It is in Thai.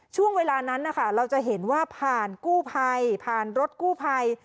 ช่วงเวลานั้นเราจะเห็นว่าผ่านกู้ไพรผ่านรถกู้ไพร